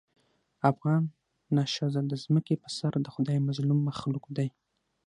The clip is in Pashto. افغانه ښځه د ځمکې په سر دخدای مظلوم مخلوق دې